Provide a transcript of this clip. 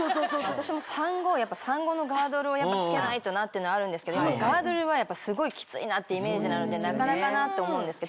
私も産後やっぱ産後のガードルを着けないとなっていうのはあるんですけどガードルはやっぱすごいきついなってイメージなのでなかなかなって思うんですけど。